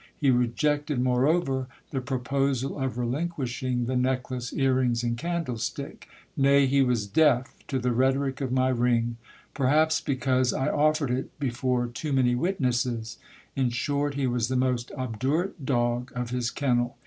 He rejected moreover the proposal of relinquishing the necklace, ear rings, and candlestick ; nay, he was deaf to the rhetoric of my ring : perhaps because I offered it before too many witnesses : in short, he was the most obdurate dog of his kennel.